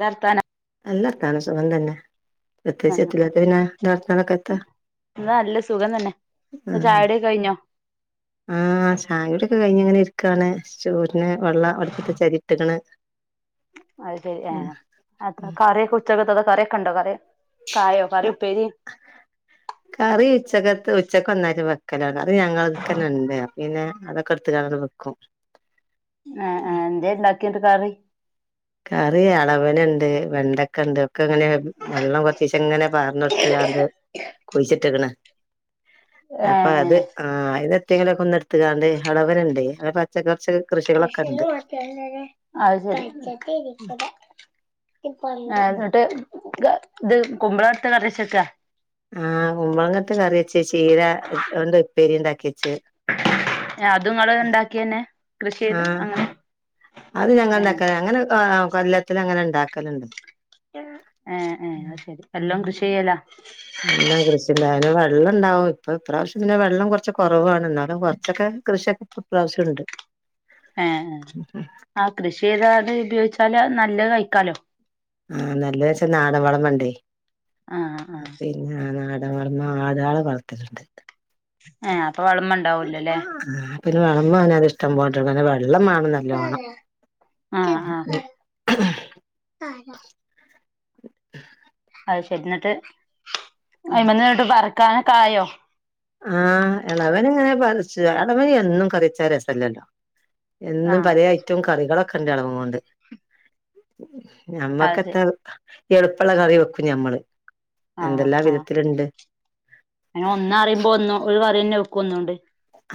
ദർത്താനാ നല്ല വർത്താനം, സുഖം തന്നെ. പ്രത്യേകിച്ച് ആഹ് എത്തില്ലാത്ത പിന്നെ എന്താ നല്ല സുഖം തന്നെ [unintelligible] ചായുടി കഴിഞ്ഞോ ആ ആ ചായകുടിയൊക്കെ കഴിഞ്ഞ് ഇങ്ങനെ ഇരു ക്കണ് [unintelligible] പിന്നെ വെള്ള അട്പ്പത്തെച്ചി അരിട്ട് ക്ണ് അത് ശരി ആഹ് അതാ കറിഒക്കെ ഉച്ചക [unintelligible] കറിക്കെണ്ടൊ കറി കായോ ക കറി ഉപ്പേരി കറി ഉച്ചക്കത്ത് ഉച്ചക്ക് ഒന്നായിട്ട് വെ [unintelligible] അത് ഞങ്ങൾക്കനന്നെയാ പിന്നെ അതൊക്കെടുത്ത് [unintelligible] വെക്കും. ആ ആ എന്തേണ്ടാ [unintelligible] കറിയാ അളവിനിണ്ട്, വെണ്ടക്ക ഇണ്ട്, ഒക്കെ ഇങ്ങനെ വെള്ളം കൊറച്ച് [unintelligible] ഇങ്ങനെ [unintelligible] കുഴിച്ചിട്ടെക്കണ് അപ്പൊ ഏഹ് അത് ഏഹ് ആ അ ന്തെങ്കിലും ന്ന് ട്ത്ത്‌ ക്കാണ്ട് അലവര ണ്ട് പച്ചക്ക [unintelligible] അതേ ശരി എന്നിട്ട് ഇത് കുമ്പള അടുത്തെ കറച്ചക്കാ ആഹ് കുമ്മളങ്ങട്ട കറ വച്ച ചീര അവന്റെ ഉപ്പേരി ഉണ്ടാക്കിച്ച അതു ഇങ്ങളെ ഉണ്ടാക്കിയന്നെ കൃഷി ചെയ്ത് ആഹ് അങ്ങനെ അത് ഞങ്ങൾ ഏഹ് ഉണ്ടാക്ക അങ്ങനെ കൊല്ലത്തി അങ്ങനെ ഇണ്ടാക്ക കലുണ്ട് ആഹ അത് ശരി എല്ലാം കൃഷി ചെയ്യലാ എല്ലാം കൃഷിണ്ടായാലും വെള്ളം ഉണ്ടാവും ഇപ്പൊ ഇപ്രാവശ്യം പിന്നെ വെള്ളം കുറച്ച കുറവാണ് എന്നാലും കുറച്ചൊക്കെ കൃഷിയൊക്കെ ഇപ്പൊ ഇപ്രാവശ്യണ്ട് ആഹ ആ കൃഷി ചെയ്തത് ഉപയോഗിച്ചാ നല്ല നല്ല കഴിക്കാലോ ആഹ നല്ല വെച്ചാ നാട വളം വണ്ടേ ആഹ് ആഹ് പിന്നെ നട വർമ്മ ആടള വളർത്തിട്ടുണ്ട് ആഹ ആ പിന്നെ വിളമ്പ അത് ഇഷ്ടം പോ [inaudible] വെള്ള വേണം നല്ലവണം ആഹ് ആഹ് അതെ ശരി എന്നിട്ട് അ മതിോട്ട് പറ കനക്കായോ ആഹ് ഇളവൻ ഇങ്ങനെ പരിച്ചു ഇളവൻ എന്നും കറിച്ചാ രസല്ലല്ലോ എന്നും ആഹ് പല ഐറ്റവും കറികളൊ കണ്ട അളവ കൊണ്ട് അത് ശരി നമ്മക്കത്തെ എളുപ്പമുള കറി വെക്കും ഞമ്മള് ആഹ് എന്തെല്ലാ ആഹ് വിധത്തിലുണ്ട് അങ്ങനെ ഒന്ന അറു ഇപ്പൊ ഒന്ന് ഒര് ക്കറിയന്നെ വെക്കന്നണ്ട്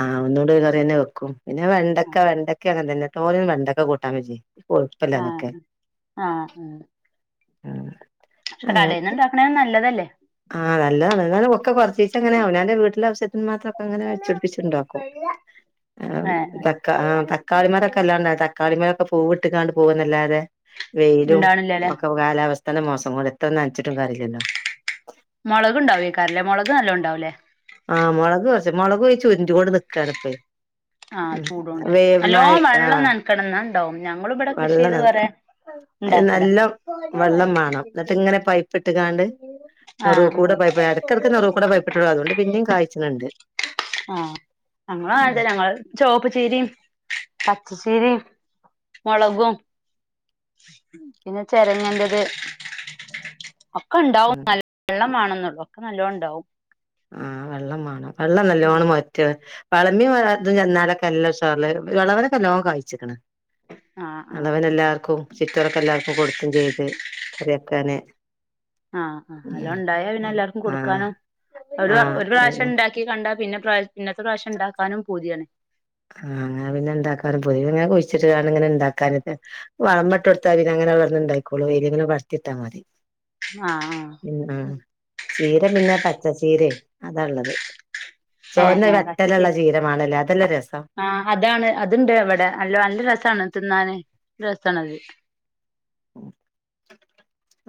ആഹ് ഒന്നൂ കറിയന്നെ വെക്കും പിന്നെ ആഹ് വെണ്ടക്ക വെണ്ടക്ക അങ്ങനെ തന്നെ തോരൻ വേണ്ടക്ക കൂട്ടാൻ വെച്ച് കൊഴുപ്പല്ല ആ അതൊക്കെ ആ ഉം [inaudible] പക്ഷെ കടെന്നുണ്ടക്കണേൽ നല്ലതല്ലേ ആഹ് നല്ലതാണ്. എന്നും ഒക്കെ കൊറച്ചിച്ചെങ്ങനെ അവനാന്റെ വീട്ടിൽ ആവ മാത്രൊക്കെങ്ങനെ വെച്ചുട്പ്പിച്ണ്ടാക്കും ആഹ് ഏഹ് ഏഹ് തക്കാ തക്കാളിമാരൊക്കെ അല്ലാനെ തക്കാളിമാര പൂവ്ട്ട്ക്കാണ്ട് പോകുന്നല്ലാതെ വെയിലും ഇണ്ടാവണില്ലല്ലേ ഒക്കെ കാലാവസ് ഇപ്പം മാസം കൊണ്ട് എത്ര നനച്ചിട്ടും കാര്യല്ലല്ലോ മൊളക് ഇണ്ടാവേക്കാരല്ലേ മൊളക് നല്ലോം ഇണ്ടാവൂലേ ആഹ് മുളക് കൊറച്ച് മുളക് ചുരണ്ട്ക്കൊണ്ട് നിക്കാണ്പ്പെ ആഹ് ചൂടോണ്ട്. നല്ലോം വെള്ളം ആഹ് നനക്കണംന്ന ട്ടും ഞങ്ങളും ഇവിടെ കൃഷി വെള്ളം ചെയ്ത് നനക്ക കൊറേ അയ്ന് ഇണ്ടാക്കല നല്ല വെള്ളം മാണം ന്നട്ട് ഇങ്ങനെ പൈപ്പിട്ട്കാണ്ട് ആ നെറൂകൂടെ പൈപ്പ് എടക്കെടക്ക് നെറൂകൂടെ പൈപ്പിട്ടൊള്ളു അതോണ്ട് പിന്നിം കായ്ച്ച്ണ് ണ്ട് ആ ആ ഞങ്ങളും അങ്ങനെ തന്നെ ഞങ്ങൾ ചോപ്പ്ച്ചീരിം പച്ചച്ചിരിം മോളകും പിന്നെ ചരങ്ങന്റത് ഒക്കെണ്ടാവും ഉം നല്ല വെള്ളമാണം [unintelligible] ഒക്കെ നല്ലോണ്ടാവും ആഹ് വെള്ളം മാണം വെള്ളം നല്ലോണം മോരറ്റ് വളമിൻ ഇത് ചെന്നാലൊക്കെ നല്ല ഉഷാർല് വേളവനൊക്കെ നല്ലോണം കായ്ച്ച്ക്ക്ണ് ആഹ് ആഹ് അത് എല്ലാവർക്കും ചിറ്റോരൊക്കെ എല്ലാവർക്കും കൊടുത്ത തും ചെയ്ത് കറിയക്കാന് ആഹ് ആ നല്ലോ ഇണ്ടായാ പിന്നെ എല്ലാർക്കും ആഹ് കൊടുക്കാനും ഒരു ഒരു ആഹ് പ്രാവശ്യം ഉണ്ടാക്കി ണ്ടാ പിന്നെ [unintelligible] പിന്നത്തെ പ്രാവശ്യം ഇണ്ടാക്കാനും പൂതിയാണ് ആഹ് അങ്ങനെപിന്നെണ്ടാക്കാൻ പുതെത്ങ്ങനെ കുഴിച്ചിട്ട് ഇങ്ങനെ ഇണ്ടാക്കാന് ലെ വളമട്ട്കൊടുത്ത പിന്നെങ്ങനെ ഇണ്ടായികോളും [unintelligible] എരിങ്ങനെ വളർത്തിയിട്ടാ മതി ആഹ് പിന്ന ആഹ് ചീര പിന്നെ ച്ച ചീരെ അതാള്ളത് ഏഹ് ചോന്ന വട്ടേലള്ള ചീരമാണല്ലേ അതല്ലേ രസ ആ അതാണ് അത്ണ്ട് വ്ടെ നല്ല നല്ല രസാണ് തിന്നാന് രസാണത്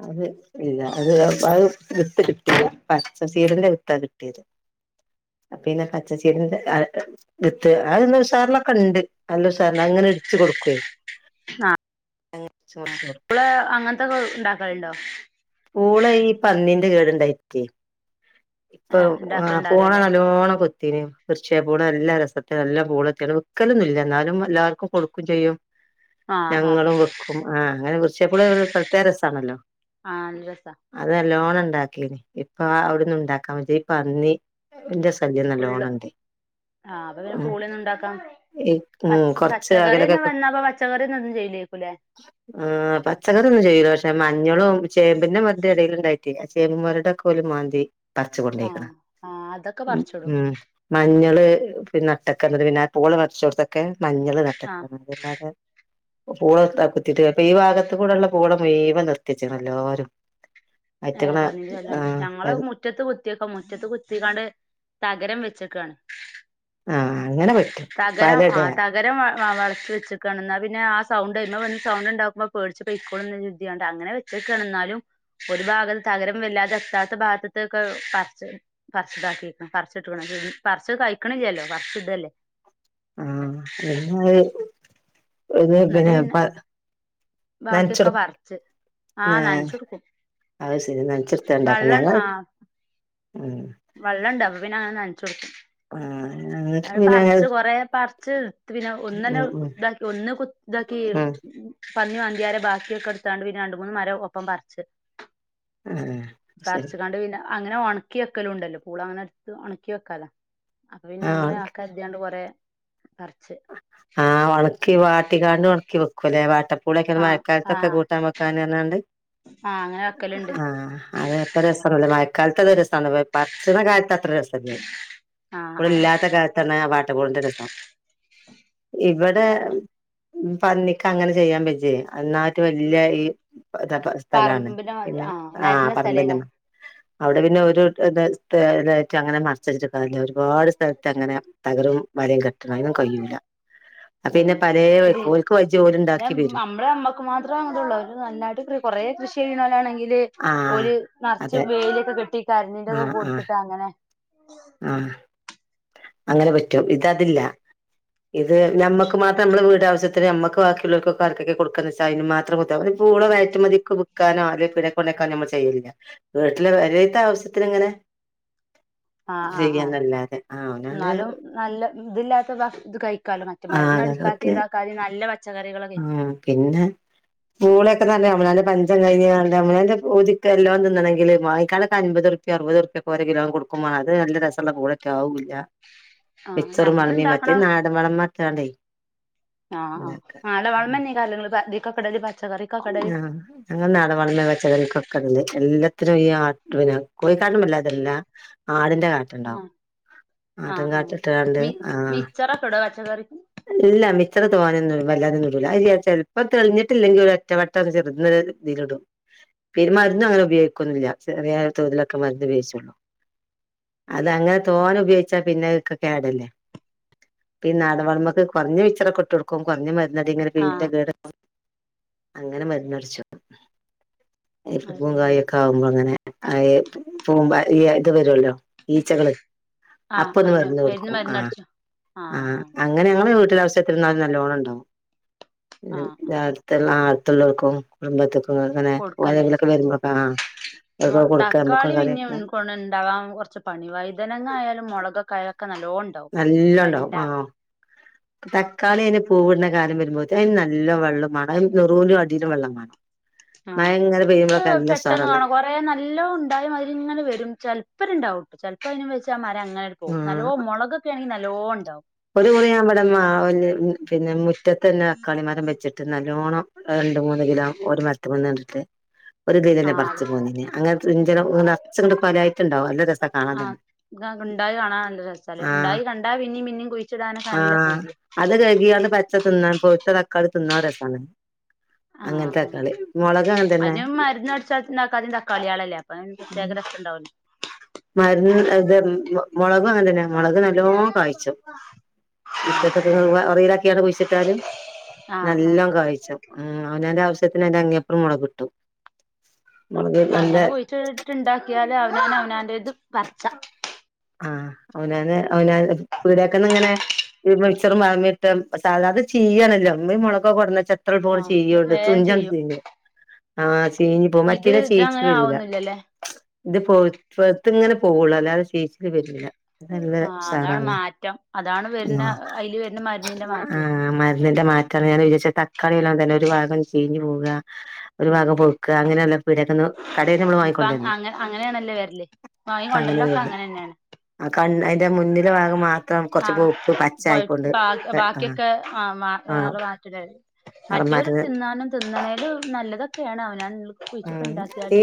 അത് ഇല്ല അത് അത് വിത്ത് കിട്ടീല്ല പച്ച ചീരന്റെ വിത്താ കിട്ടിയത്. പിന്നെ പച്ചച്ചീരൻ്റെ ആ ത് വിത്ത് അത് ഉസാറിലൊക്കെണ്ട് നല്ല ഉസാറ്ണ്ട് അങ്ങനെ ഇടിച്ചു കൊടുക്കേയ്. ആഹ് ഏ പ്പള് അങ്ങൻത്തൊക്കെണ്ടാക്കല്ണ്ടോ? ൻ്റെ കേട്ണ്ടായിറ്റെ ഇപ്പൊ ആ പോണ ഉണ്ടാക്കലുണ്ടാവൂലല്ലേ ഓണ കൊത്തിന് തീർച്ചേ പോണേ എല്ലാ രസത്തിന് എല്ലാം പൂളെത്തിനും വിക്കലൊന്നുല്ല ന്നാലും എല്ലാർക്കും കൊടുക്കും ചെയ്യും. ആഹ് ആഹ് ഞങ്ങളും വെക്കും ആ അങ്ങനെ വ് എപ്പളും ഒരു പ്രത്യേക രസാണല്ലോ. ആഹ് നല്ല രസാ ണ്ടാക്കീത് ഇപ്പൊ അവിടൊന്നുണ്ടാക്കാൻ വെജ്ജ ഈ പന്നി റിൻ്റസ് ശല്യം ഫുള്ള് നല്ലോണണ്ട് ആഹ് അപ്പൊ പിന്നെ ഉം പൂളിയൊന്നും ഉണ്ടാക്കാം എയ് ഉം പച്ച കൊറച്ച് പച്ചക്കറി അകലൊക്കെ തന്നെ വന്നാപ്പ പച്ചക്കറി ഒന്നും ചെയ്യില്ലേക്കുല്ലേ ആ പച്ചക്കറിന്നും ചെയ്യൂല പഷേ തെ മഞ്ഞളും ചേമ്പിൻ്റെ മദ്ദ് ഏടേല്ണ്ടാക്കിയ ചേമ്പും മൊരടൊക്കോല് മാന്തി പറിച്ചുകൊണ്ടേയ്ക്ക്ണ്. ആഹ് ആഹ് അതൊക്കെ പറിച്ചിടും ഉം മഞ്ഞള് പിന്നെ നട്ടൊക്കത് പിന്നെ പൂള പറ്ച്ചോട്ത്തൊക്കെ മഞ്ഞൾ ആഹ് നട്ട്ക്കാണ് അതെല്ലാരും പ പൂള നട്ട കുത്തിട്ട് അപ്പൊ ഈ ഭാഗത്ത് കൂടെള്ള പൂള മുയ് വൻ നിർത്തിച്ച് ണെല്ലാരും ഏഹ് പന്നിന്റെ ശല്യാണ് ഞങ്ങള് മുറ്റത്ത് കുത്തിയക്കൊ മുറ്റത്ത് കു ത്തിങ്ങാണ്ട് തകരം വെച്ചക്കയാണ് ആഹ് അങ്ങനെ പറ്റും വല ഇട ആ വളർച്ച വെച്ചക്ണാ പിന്നെ ആ സൗണ്ട് ഇണ വന്ന് സൗണ്ട്ണ്ടാക്കുമ്പോ പേടിച്ച പെയ്ക്കോളും ന്ന് കര്തിങ്ങാണ്ട് അങ്ങനെ വെച്ചേക്കാണ് ഇന്നാലും ഒരു ഭാഗൽ തകരം വല്ലാതെ എത്താത്ത ഭാഗത്തൊക്കെ പറിച്ച് പറി ച്ച് ഇതാക്കിക്ണം പറച്ച്ട്ക് ണം പറിച്ച് കഴിക്കണില്ലല്ലോ പറച്ച് ഇടെല്ലേ ആഹ് വിര്ന്നോയി ഇന്നിട്ട് പിന്നെ ബാക്കിയൊക്കെ നനച്ചൊടു വർച്ച് ആഹ് നനച്ചോകൊടുക്കും അത് ശരി നനച്ചൊടുത്ത ഉണ്ടാക്കും വെള്ളം ഞങ്ങൾ ആഹ് ഉം വെള്ളുണ്ട് അപ്പ പിന്നെ അങ്ങനെ ന ച്ചോട്ക്കും ആ അത് പറിച്ച് കൊറെ പറിച്ച് പിന്നെ ഒന്നന്നെ ഉം ഉം ഇതാക്കി ഒന്ന് കു ഇതാക്കി ആഹ് പന്നി മാന്തിയാരെ ബാക്കിയൊക്കെ ഇടുത്തണ്ട് പിന്നെ രണ്ട് മൂന്ന് മരം ഒപ്പം പറിച്ച് ആഹ് ശരി പറിച്ച്കാണ്ട് പിന്നെ അങ്ങനെ ഒണക്കി വെക്കലും ഉണ്ടല്ലോ പൂള അങ്ങനെടുത്ത് ഒണക്കി വെക്കാലോ അപ്പൊ പിന്നെ അങ്ങെ ആക്കാദ്യാണ്ട് കൊറെ ങാ ഒണക്കി വാട്ടികാണ്ട് ഒണക്കി വെക്കൂല്ലേ വാ കൂടെക്കുടെ ആഹ് മഴക്കാലത്തൊക്കെ ആഹ് കൂട്ടാൻ വെക്കാന്ന് പറഞ്ഞാണ്ട് ആഹ് അങ്ങനെ വെക്കലുണ്ട് [unintelligible] മഴക്കാലത്ത് അത് രസാണ് പർച്ച്ണ കാലത്ത് അ അത്രസല്ല്യ ആഹ് ഇവിടെ ആഹ് ഇല്ലാത്ത കാലത്താണ് അവൻ [unintelligible] ഇവിടെ അതന്നെ പന്നിക്ക് അങ്ങനെ ചെയ്യാൻ പറ്റേ എന്നാ ഏറ്റോം വല്യ ഈ സ്ഥലാണ് പറമ്പിന്റെ മാതിരി പിന്നെ ആഹ് ങാ നെരന്ന പറമ്പിൻറെണ്ണ സ്ഥലേക്കാരം അവിടെ പിന്നെ ഒരു ഇത് [unintelligible] ക്ക് അങ്ങനെ മറിച്ചെടുക്കാൻ വയ്യ ഒരുപാട് സ്ഥലത്ത് അങ്ങനെ തകരും വലയും കെട്ടണം കയൂല ഉം പിന്ന ഇണ്ടാക്കി വരും അമ്മള അമ്മക്ക് മാത്രേത്ള്ളൂ നന്നായിട്ട് കൊറേ കൃഷി നാ ആണെങ്കിൽ ല് ആഹ് ഒരു നെറച്ച് അതെ വെയിലൊക്കെ കിട്ടി കരഞ്ഞിന്റെത് ആഹ് ആഹ് കൊടുത്തിട്ടാ അങ്ങനെ [inaudible] ആഹ് അങ്ങനെ പറ്റും ഇതതില്ല ഇത് നമ്മക്ക് മാത്ര നമ്മള വീടാവശ്യത്തിന് അമ്മക്ക് ബാക്കിയുള്ളോർക്കൊക്കെ ആർക്കൊക്കെ കൊടുക്കാന്നിച്ചാ അയ്ന് മാത്രം കൊടുതാ മതി [unintelligible] ക്ക് ബുക്കാനോ അല്ലേ ക്കാ നമ്മൾ ചെയ്ല്ല വീട്ടിലെ വരത്തെ ആവശ്യത്തിന് ഇങ്ങനെ ആ് ആഹ് ആഹ് ചെയ്യാന്നല്ലാതെ ആഹ് അവനാന്റെ എന്നാലും നല്ല ഇതില്ലാത്ത ഇത് കഴിക്കാലൊ മറ്റെ ആഹ് മരുന്ന് അടിക്കാത്തി താക്കാത്തിം നല്ല പച്ചക്കറികളൊ ആ പിന്നെ പൂളൊക്കെ തന്നെ അവനാന്റെ പഞ്ചം കഴിഞ്ഞ്കാണ്ട്--കഴിഞ്ഞ്കാണ്ട് അങ്ങനെന്റെ പൂതിക്കല്ലാം തിന്നണെങ്കില് വായ്ക്കൊരമ്പപത്റുപ്യ അറുപത്റുപ്യ പോരെങ്കിലത് കൊടുക്കുംവേണം അത് നല്ല രസളള കൂടൊക്ക ആകൂല്ല്യ ആഹ് മിചറ് ഞമ്മള് മറിഞ് മറ്റേത് നാടം വളം മാത്രല്ലേ ആ ആ അ [unintelligible] അതിക്കൊക്കടല് പച്ചക്കറി ങാ അങ്ങന്നാട വളമ വച്ചതെനിക്കൊക്കെണ്ട് എല്ലാത്തിനും ഈ ആട്ട്ന കോയി കാരമല്ലാതെല്ലാം ആടി [unintelligible] ആഹ് ആട്ടും ആഹ് കാട്ട ഇട്ടാണ്ട് ആ ച്ചക്കറിക്കും ഇല്ല മിച്ചറ് തോനെ ഒന്നും വല്ലാതെന്നും ഇടൂല്ല [unintelligible] ചെലപ്പോ തെളിഞ്ഞിട്ടില്ലെങ്കിൽ ഒരു ഒറ്റവട്ടം ചെറുന്നനെ ഇതിലിടും പിന്നെ മരുന്നു അങ്ങനെ ഉപയോഗിക്കൊന്നില്ല ചെറിയ തോതിലൊക്കെ മരുന്ന് ഉപയോഗിച്ചുള്ളൂ അതങ്ങനെ തോനെ ഉപയോഗിച്ചാ പിന്നൊക്കെ കേടര്ല്ലേ പിന്നെ [unintelligible] ത് കൊറ്ഞ്ഞെ മിച്ചറൊക്കെ ഇട്ടൊട്ക്കും കൊറ്ഞ്ഞ മ- ന്നതെങ്ങനെ ആഹ് [unintelligible] അങ്ങനെ മരുന്നേട്ച്ചോ [unintelligible] അത് പൂവ് ശരി ഉം കായൊക്കെ ആവുമ്പോ അങ്ങനെ അയ് [unintelligible] ഈ ഇത് വരോല്ലോ ഈച്ചകള് ആഹ് അപ്പൊന്ന് അയിന് [unintelligible] അയിന് കൊടുക്കും ആ മരുന്നടിച്ചു ആ ആഹ് ആഹ് അ ഞങ്ങളെ വീട്ടില [unintelligible] നല്ലോണം ഇണ്ടാവും [unintelligible] ആഹ് ആഹ് രാവില്ത്തള്ള ആൾ തുള്ളോർക്കും കുടുംബത്തക്ക് കൊട്ക്കല്ലേ മൊ അവർക്കൊക്കെ കൊടുക്ക നമ്മുക്കും തക്കാളി പിന്നിം കറിവെക്ക ന്ക്കോണേ ഇണ്ടാവാൻ കൊറച്ച് പണി വൈതനങ്ങ ആയാലും മുളകൊക്കായ ക്ക നല്ലോം ഉണ്ടാവും നല്ലോണ്ടാവും വെണ്ട ആഹ് തക്കാളി അയിന് പൂവ്ടുന്ന കാലം വരുമ്പോത്തിന് അയിന് നല്ല വള്ളം വാണം നേറൂലും അടിയിലും വള്ളമാണം ആ പെട്ടെന്ന് ഉഷാറാണ് കാണാ കൊറേ നല്ലോം ഉണ്ടായ മാതിരിങ്ങെനെവരും ചെല്പ്പര്ണ്ടാവും ചെല് പ്പയിന് വെച്ചാ മ [unintelligible] പോവും ആഹ് നല്ലോം മുളൊകൊക്കേ ആണെങ്കിൽ ന ല്ലോ ഇണ്ടാവും ഒരു മുറിഞ്ഞാവടെ മാവേല് ഉം പിന്നെ മു മുറ്റത്തന്നെ തക്കാളി മരം വെച്ചിട്ട് നല്ലോണം രണ്ട്, മൂന്ന് കിലോം ഒര് മര്ത്ത്മ്മന്നാണ്ട്ട്ക്കേ ഒര്ത്തീലെന്നേ ആഹ് പറിച്ചു പോന്നീനി അങ്ങനത്തെ [unintelligible] കൊലായിട്ടുണ്ടാവു നല്ല രസ കാണാൻ തന്നെ ആഹ് ഉണ്ടായി കാണാൻ നല്ല രസാല്ലേ ആ ഉണ്ടായി കണ്ടാ പിന്നിം പിന്നിം കുഴിച്ചിടാനൊക്കെ ആ നല്ല പൂതിയാ അത് കഴുകിയാണ്ട് പച്ച തിന്നാൻ പൗത്ത താ ക്കള് തിന്നാ രസാണ് ആ അങ്ങനത്തെ ആ തക്കാളി മൊളക് അങ്ങനെ തന്നെ അയിന് ഞാൻ മര്ന്ന് അടിച്ച [unintelligible] തക്കാളിയളല്ലേ [inaudible] മര്ന്ന് [unintelligible] ത് മൊ മൊളകും അങ്ങന് ത്തന്നെ മൊളക് നല്ലോം കായിച്ചും. ഉം മുറ്റതൊക്കെ ഉം [unintelligible] ഒറയിലാക്കിയാണ്ട് കുഴിച്ചിട്ടാല് ആഹ് ആഹ് നല്ലോ കായ്ച്ചും ഉം അവനാന്റെ ആവശ്യ എത്തിനാ അയിന്റെ അങ്ങേപ്പുറവും ഇവ്ടെ കിട്ടും മൊളക് നല്ല അങ്ങനെ കുഴിച്ചിട്ട് ഇണ്ടാക്കിയാലേ ആ അവനവനാന്റെത് പറ്ച്ച ആഹ് അവനന്ന് അവന [unintelligible] അത്ര പോലെ ആഹ് ചെയ്യണ്ട് വേം തുഞ്ചൻ ചെയ്യും [unintelligible] ആഹ് തീഞ്ഞി പോ ഇത് മറ്റേത ചേച്ചിക്ക് ഇതങ്ങനെ വരൂല ആവൊന്നുല്ലല്ലേ ഇത് പോ [unintelligible] ഇങ്ങനെ പോകുള്ളൂ അല്ലാതെ ചി [unintelligible] നല്ല ആഹ് അതാണ് സാറാണ് മാറ്റം അതാണ് വരുന്ന അയില് വരുന്ന മരുന്നിന്റെ ആ മാറ്റേ മരുന്നിന്റെ മാറ്റമാണ് ഞാൻ വിചരിച്ച തക്കാളില്ലാം തന്നെ ഒരു ഭാഗം ചീഞ്ഞു പോക ഒരു ഉം ഭാഗം പൊക്ക അങ്ങനെല്ല പീടിയെന്നു കടയിൽ നമ്മള് ഇപ്പ വാങ്ങിക്കൊണ്ട വന്ന് അങ്ങ അങ്ങനെയാണല്ലേ വരല് വാങ്ങി അപ്പ അങ്ങനെ കൊണ്ടരലൊക്കെ വരുന്നു ആ കണ് അന്റെ ആ കൊഴ ആയിക്കൊണ്ട് ബാ ആഹ് ബാക്കിയൊക്കെ ആ ആഹ് [unintelligible] നിറം മറ്റോരു മാറ്റുന്ന തിന്നാനും തിന്നണേല് നല്ലതൊ ഒക്കെയണ ഞൻ ഉം ഈ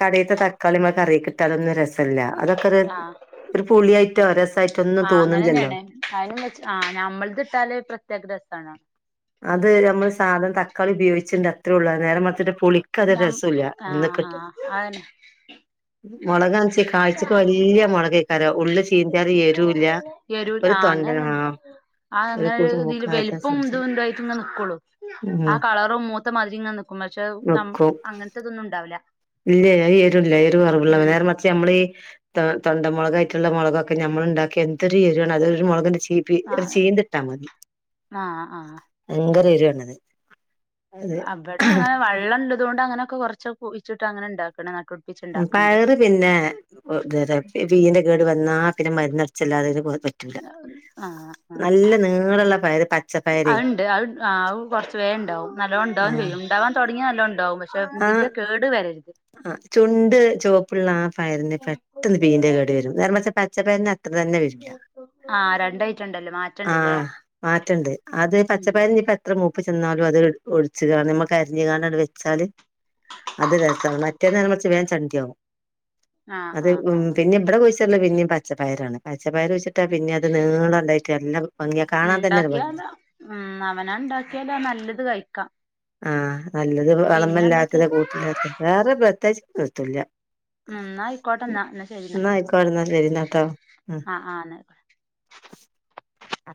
കടയിത്ത ത കളിമക്ക കറിയി കിട്ടാതൊന്നും രസമില്ലല്ല ആഹ രസായിട്ടോ ഒന്നും ആ അങ്ങനെ തോന്നില്ലല്ലോ തന്നെയാണ് അതിനന് വെ ആ നമ്മൾ അതിലിട്ടല് പ്രത്യേക രസമാണ് അത് നമ്മള് സാധനം തക്കാളി ഉപയോഗിച്ചിണ്ട അത്രള്ള നേരെ മറച്ചട്ട് പുളിക്കത് ഞം രസല്ല ഒന്ന ആഹ് കിട്ട ആഹ് അതന്നെ മുളകാന്ന് വച്ച കാഴ്ചക്ക് വല്ിയ മുളക കര ഉള്ളള് ചീന്തിത് എരുവല്ല എരു ഒരു ആഹ് അങ്ങനെ തൊണ്ടന ആ തന്നെ ഒരു കരു മൂക്കാത്ത നിക്കുള്ളു ആ കളറു മൊത്ത നക്കോ അങ്ങനത്തെതൊന്നും ഉണ്ടാവില്ല ഇല്ല അഅ് എരുല്ല എരു കുറവുള്ള ഉം നേര മർച്ച് നമ്മളീഈ താ തൊണ്ടമുളകായിട്ടുള്ള മുളകൊക്കെ നമ്മൾ ഉണ്ടാക്കി എന്തൊരു എരിവണ് അതൊരു മുളക് തീ പി ആ ചീന്തിട്ടാ മതി ആഹ് ആഹ് [unintelligible] ത് അവിടെ അങ്ങനെ വള്ളം ഉള്ളതുകൊണ്ട് അങ്ങനെയൊക്കെ കൊറച്ച കുഴിച്ചിട്ട് അങ്ങനെ [unintelligible] ഉം ഉണ്ടാക്കണ്ട് പയറ് പിന്നെ [unintelligible] ബീന്റെ കേട് വന്നാ പിന്നെ മാറുന്നടിച്ചല്ലാതെ കു ആഹ് ആ നീളള്ള പയറ് പച്ചപ്പയറേ അതുണ്ട് അത് ആ കുറച്ച് വേഗ ഉണ്ടാവും നല്ല ഉണ്ടാവും ചെയ്യും ഉണ്ടാവാൻ തുടങ്ങി നല്ല ഉണ്ടാവും പക്ഷെ ഇതിന്റെ കേട് വരരുത് ആ ചുണ്ട് ചുവപ്പുള്ള ആ പയറിന്റെ പെട്ടെന്ന് പീന്റെ കേട് വരും നേരെ മറിച്ചു പച്ചപ്പ പിന്നെ അത്ര തന്നെ വരുല്ല ആഹ് രണ്ടായിട്ടുണ്ടല്ലോ ആ മാറ്റണ്ടല്ലേ മാറ്റണ്ട് അത് ഉം പച്ചപ്പയർ ഇനി എത്ര മൂ ഇപ്പൊ ചെന്നാലും അത് ഒഴിച്ച്ക്കാണ്ട് നമ്മകരിഞ്ഞ്കാണ്ട് വെച്ചാല് അത് [unintelligible] മറ്റേന്ന് മറിച്ച് വേഗം ചണ്ടി ആകും ആഹ് അത് ആഹ് ആഹ് പിന്നെ ഇവിടെ വോയിസ് പുള്ള പിന്നെയും പച്ചപ്പയറാണ് പച്ചപ്പയർ വെച്ചിട്ടാൽ പിന്നെ അത് നീളം ഉണ്ടായിട്ട് എല്ലാം ഉണ്ടാക്കിയാലോ ഉ അവന ഉണ്ടാക്കിയാലോ നല്ലത് കഴിക്കാം ആഹ നല്ലത് പിന്നെ എന്തൊക്കെ വളമല്ലാത്തത് കൂട്ടില്ലാത്തത് വേറെ പ്രത്യേകിച്ച് എത്തുല്യ ഉ എന്നാ ഇക്കോട്ടെ എന്നാ എന്നാ ശരിന്നാ ആയിക്കോട്ടെ എന്നാ ശരി എന്നാട്ടോ ആഹ ആ എന്നക്കോട്ടെ ആ